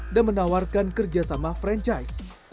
dan menawarkan kerjasama franchise